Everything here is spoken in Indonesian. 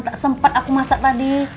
tak sempat aku masak tadi